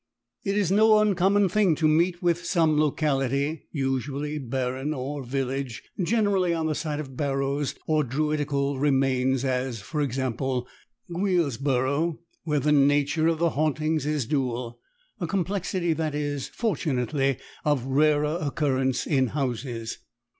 It is no uncommon thing to meet with some locality (usually barren) or village (generally on the site of barrows or Druidical remains as, for example, Guilsborough) where the nature of the hauntings is dual; a complexity that is, fortunately, of rarer occurrence in houses.